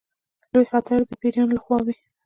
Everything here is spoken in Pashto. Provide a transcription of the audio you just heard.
لوی خطر د پیرانو له خوا وي.